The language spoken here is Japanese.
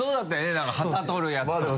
何か旗取るやつとか。